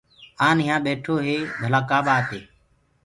آن يهآ بيٺو هي ڀلآ ڪآ ٻآت هي۔